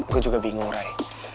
gue juga bingung rai